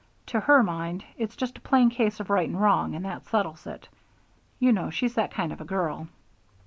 To her mind it's just a plain case of right and wrong, and that settles it. You know she's that kind of a girl."